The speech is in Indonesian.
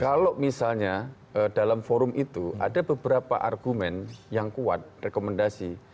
kalau misalnya dalam forum itu ada beberapa argumen yang kuat rekomendasi